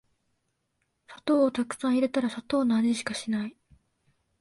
砂糖をたくさん入れたら砂糖の味しかしない